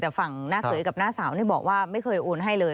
แต่ฝั่งหน้าเขยกับน้าสาวนี่บอกว่าไม่เคยโอนให้เลย